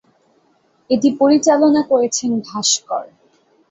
এটি পরিচালনা করেছেন ভাস্কর।